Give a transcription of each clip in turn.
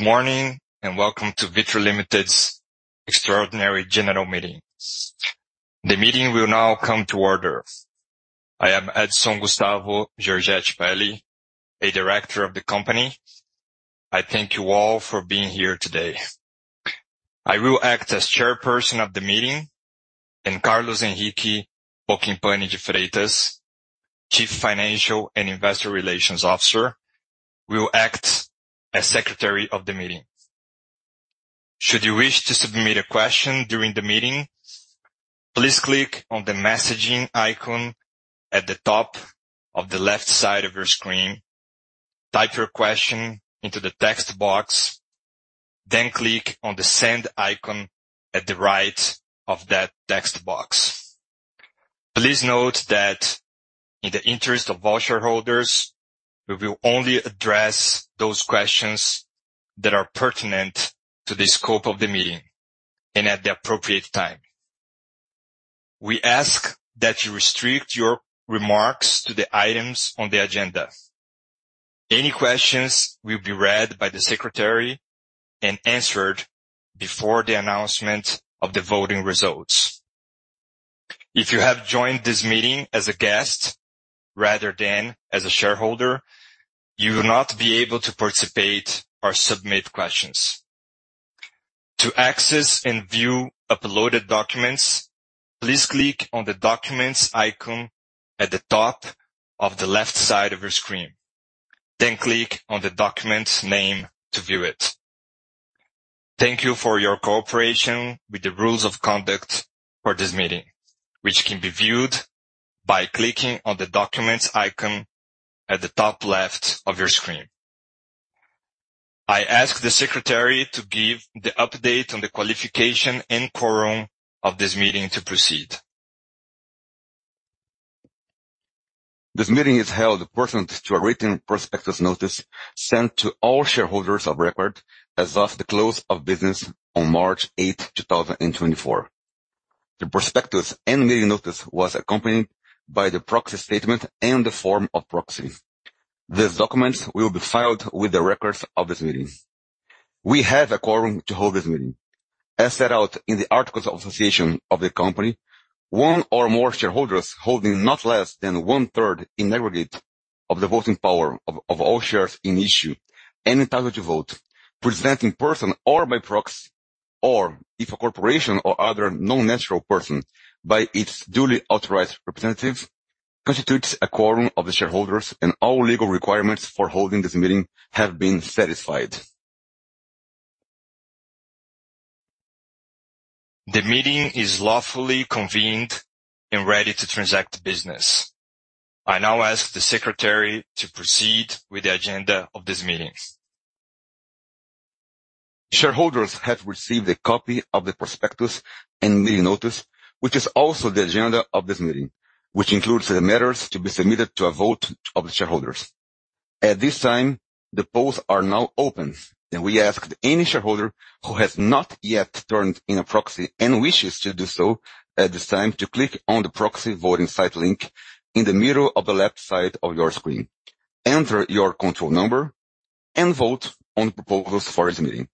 Good morning and welcome to Vitru Limited's Extraordinary General Meeting. The meeting will now come to order. I am Edson Gustavo Georgetti Peli, a director of the company. I thank you all for being here today. I will act as chairperson of the meeting, and Carlos Henrique Boquimpani de Freitas, Chief Financial and Investor Relations Officer, will act as secretary of the meeting. Should you wish to submit a question during the meeting, please click on the messaging icon at the top of the left side of your screen, type your question into the text box, then click on the send icon at the right of that text box. Please note that, in the interest of all shareholders, we will only address those questions that are pertinent to the scope of the meeting and at the appropriate time. We ask that you restrict your remarks to the items on the agenda. Any questions will be read by the secretary and answered before the announcement of the voting results. If you have joined this meeting as a guest rather than as a shareholder, you will not be able to participate or submit questions. To access and view uploaded documents, please click on the documents icon at the top of the left side of your screen, then click on the document's name to view it. Thank you for your cooperation with the rules of conduct for this meeting, which can be viewed by clicking on the documents icon at the top left of your screen. I ask the secretary to give the update on the qualification and quorum of this meeting to proceed. This meeting is held pursuant to a written prospectus notice sent to all shareholders of record as of the close of business on March 8th, 2024. The prospectus and meeting notice was accompanied by the proxy statement and the form of proxy. These documents will be filed with the records of this meeting. We have a quorum to hold this meeting. As set out in the Articles of Association of the company, one or more shareholders holding not less than one-third in aggregate of the voting power of all shares in issue and entitled to vote, present in person or by proxy, or if a corporation or other non-natural person by its duly authorized representative, constitutes a quorum of the shareholders and all legal requirements for holding this meeting have been satisfied. The meeting is lawfully convened and ready to transact business. I now ask the secretary to proceed with the agenda of this meeting. Shareholders have received a copy of the prospectus and meeting notice, which is also the agenda of this meeting, which includes the matters to be submitted to a vote of the shareholders. At this time, the polls are now open, and we ask any shareholder who has not yet turned in a proxy and wishes to do so at this time to click on the proxy voting site link in the middle of the left side of your screen, enter your Control Number, and vote on the proposals for this meeting.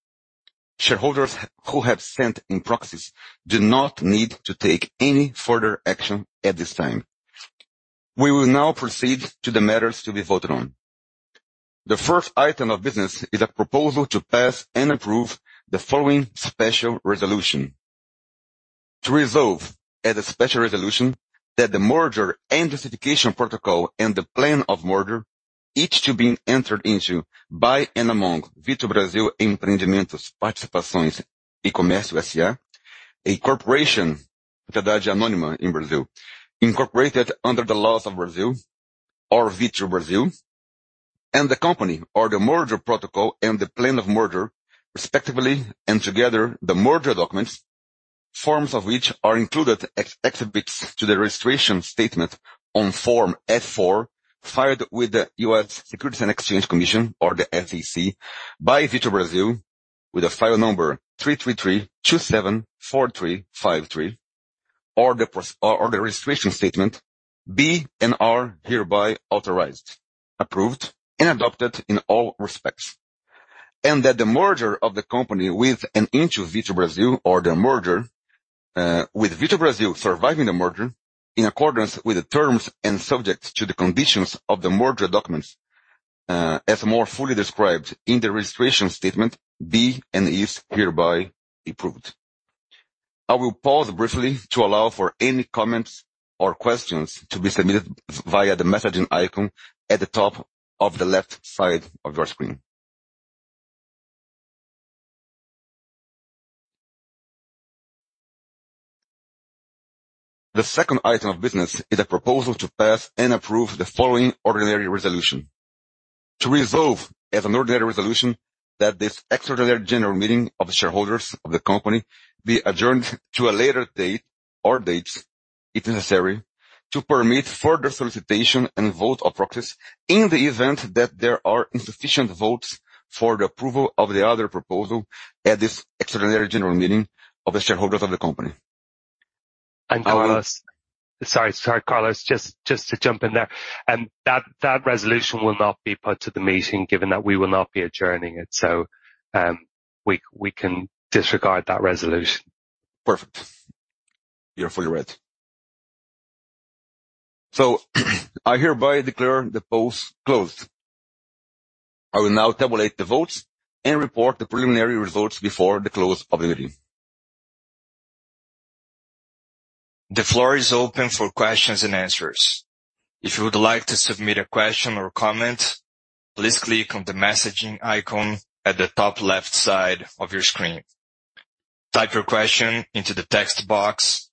Shareholders who have sent in proxies do not need to take any further action at this time. We will now proceed to the matters to be voted on. The first item of business is a proposal to pass and approve the following Special Resolution. To resolve as a special resolution that the Merger and Justification Protocol and the Plan of Merger, each to be entered into by and among Vitru Brasil Empreendimentos Participações e Comércio S.A., a corporation anonymous in Brazil, incorporated under the laws of Brazil or Vitru Brasil, and the company or the merger protocol and the Plan of Merger, respectively, and together the merger documents, forms of which are included as exhibits to the registration statement on Form F-4 filed with the U.S. Securities and Exchange Commission. Or the SEC by Vitru Brasil with a file number 333-274353, or the registration statement, be and are hereby authorized, approved, and adopted in all respects, and that the merger of the company with and into Vitru Brasil or the merger with Vitru Brasil surviving the merger in accordance with the terms and subjects to the conditions of the merger documents as more fully described in the registration statement be and is hereby approved. I will pause briefly to allow for any comments or questions to be submitted via the messaging icon at the top of the left side of your screen. The second item of business is a proposal to pass and approve the following ordinary resolution. To resolve as an ordinary resolution that this extraordinary general meeting of the shareholders of the company be adjourned to a later date or dates, if necessary, to permit further solicitation and vote of proxies in the event that there are insufficient votes for the approval of the other proposal at this extraordinary general meeting of the shareholders of the company. And Carlos. I will. Sorry, sorry, Carlos, just to jump in there. That resolution will not be put to the meeting given that we will not be adjourning it, so we can disregard that resolution. Perfect. You're fully read. I hereby declare the polls closed. I will now tabulate the votes and report the preliminary results before the close of the meeting. The floor is open for questions and answers. If you would like to submit a question or comment, please click on the messaging icon at the top left side of your screen. Type your question into the text box,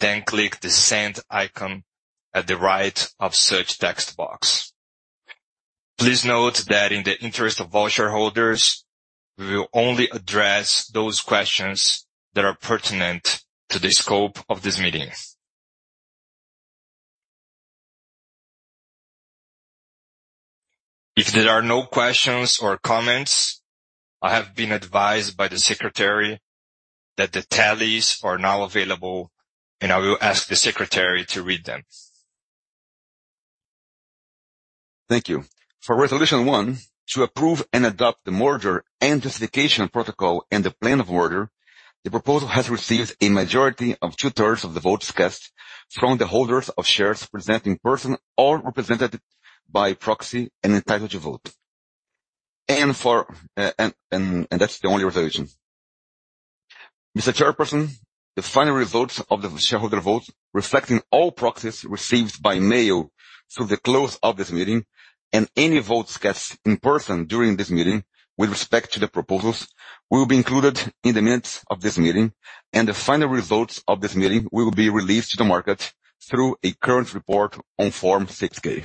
then click the send icon at the right of such text box. Please note that in the interest of all shareholders, we will only address those questions that are pertinent to the scope of this meeting. If there are no questions or comments, I have been advised by the secretary that the tallies are now available, and I will ask the secretary to read them. Thank you. For resolution one, to approve and adopt the merger and justification protocol and the plan of merger, the proposal has received a majority of two-thirds of the votes cast from the holders of shares present in person or represented by proxy and entitled to vote. That's the only resolution. Mr. Chairperson, the final results of the shareholder votes reflecting all proxies received by mail through the close of this meeting and any votes cast in person during this meeting with respect to the proposals will be included in the minutes of this meeting, and the final results of this meeting will be released to the market through a current report on Form 6-K.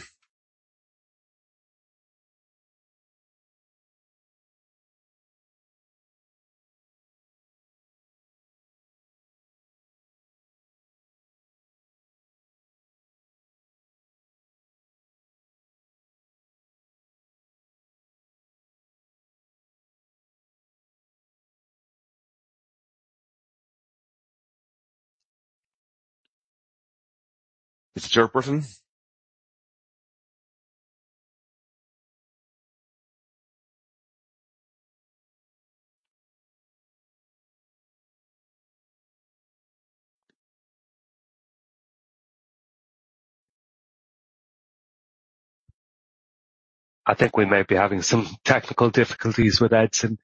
Mr. Chairperson? I think we might be having some technical difficulties with Edson.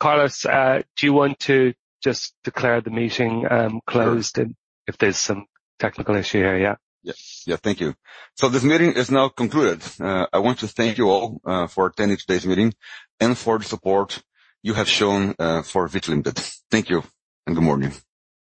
Carlos, do you want to just declare the meeting closed if there's some technical issue here, yeah? Yeah. Yeah, thank you. So this meeting is now concluded. I want to thank you all for attending today's meeting and for the support you have shown for Vitru Limited. Thank you and good morning.